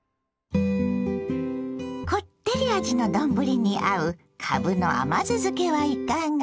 こってり味の丼に合うかぶの甘酢漬けはいかが。